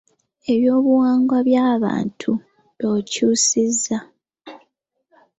Ebyobuwangwa by’abantu b’okyusiza